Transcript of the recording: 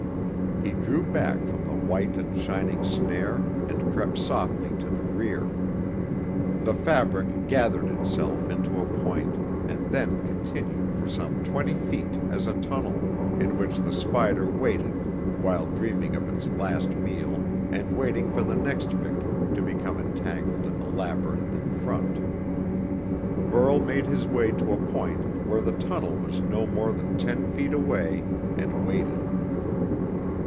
He drew back from the white and shining snare and crept softly to the rear. The fabric gathered itself into a point and then continued for some twenty feet as a tunnel, in which the spider waited while dreaming of its last meal and waiting for the next victim to become entangled in the labyrinth in front. Burl made his way to a point where the tunnel was no more than ten feet away, and waited.